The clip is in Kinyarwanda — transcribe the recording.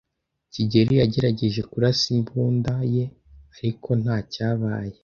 kigeli yagerageje kurasa imbunda ye, ariko nta cyabaye.